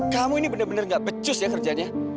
kamu ini bener bener nggak becus ya kerjanya